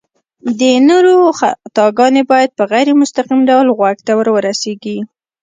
د نورو خطاګانې بايد په غير مستقيم ډول غوږ ته ورورسيږي